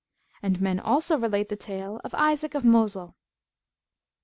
And men also relate the tale of ISAAC OF MOSUL.